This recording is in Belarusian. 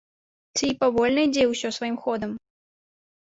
Ці павольна ідзе ўсё сваім ходам?